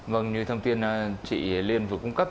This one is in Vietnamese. vâng như thông tin chị liên vừa cung cấp